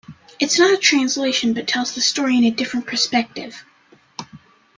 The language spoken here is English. It's not a translation but tells the story in a different perspective.